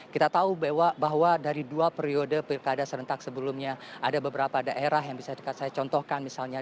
kita tahu bahwa dari dua periode pilkada serentak sebelumnya ada beberapa daerah yang bisa saya contohkan misalnya